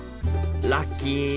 ラッキー！